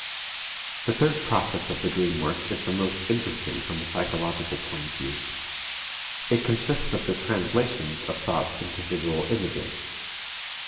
The third process of the dream work is the most interesting from a psychological point of view. It consists of the translation of thoughts into visual images.